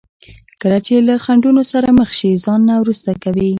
کله چې له خنډونو سره مخ شي ځان نه وروسته کوي.